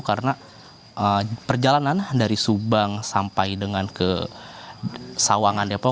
karena perjalanan dari subang sampai dengan ke sawangan depok